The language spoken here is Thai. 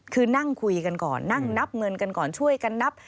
คือนั่งคุยกันก่อนนั่งนับเงินกันก่อนช่วยกันนับ